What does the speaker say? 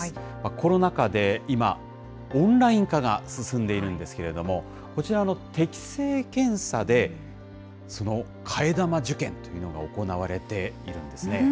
コロナ禍で今、オンライン化が進んでいるんですけれども、こちらの適性検査でその替え玉受験というのが行われているんですね。